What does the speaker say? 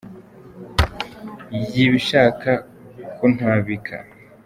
Y’ibishaka kuntabika.